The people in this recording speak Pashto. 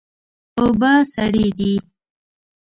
اوبه سړې دي